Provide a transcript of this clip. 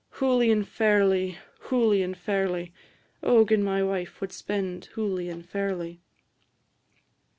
Hooly and fairly, hooly and fairly; O gin my wife wad spend hooly and fairly!